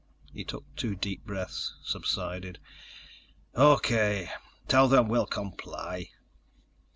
He took two deep breaths, subsided. "O.K. Tell them we'll comply."